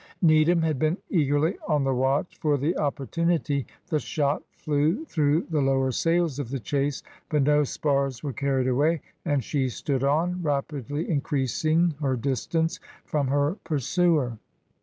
Needham had been eagerly on the watch for the opportunity. The shot flew through the lower sails of the chase, but no spars were carried away, and she stood on, rapidly increasing her distance from her pursuer.